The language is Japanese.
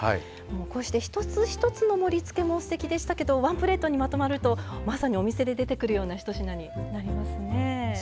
こうして一つ一つの盛りつけもすてきでしたけどワンプレートにまとまるとまさにお店で出てくるような一品になりますね。